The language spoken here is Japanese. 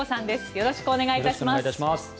よろしくお願いします。